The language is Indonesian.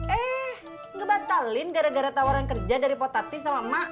eh ngebatalin gara gara tawaran kerja dari potatis sama emak